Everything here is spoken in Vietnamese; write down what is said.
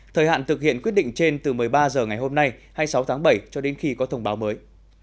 thời hạn thực hiện quyết định trên từ một mươi ba h ngày hôm nay hai mươi sáu tháng bảy cho đến khi có thông báo mới